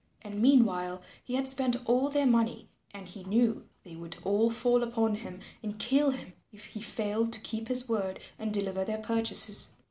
And meanwhile he had spent all their money and he knew they would all fall upon him and kill him if he failed to keep his word and deliver their purchases.